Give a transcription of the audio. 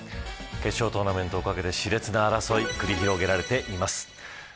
決勝トーナメントをかけたし烈な争いが繰り広げられています。